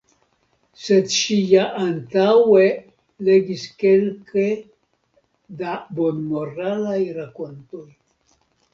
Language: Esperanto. Sed ŝi ja antaŭe legis kelke da bonmoralaj rakontoj.